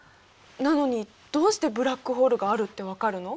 なのにどうしてブラックホールがあるってわかるの？